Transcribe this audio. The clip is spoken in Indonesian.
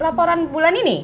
laporan bulan ini